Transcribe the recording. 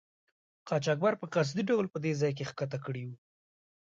قاچاقبر په قصدي ډول په دې ځای کې ښکته کړي وو.